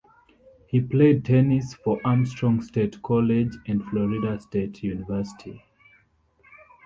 He played tennis for Armstrong State College and Florida State University.